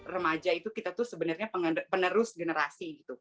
remaja itu kita sebenarnya penerus generasi